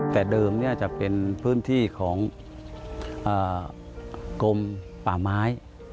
แต่เดิมจะเป็นพื้นที่ของกรมป่าไม้